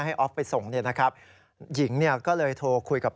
ให้ออฟไปส่งเนี่ยนะครับ